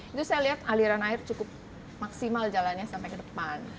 itu saya lihat aliran air cukup maksimal jalannya sampai ke depan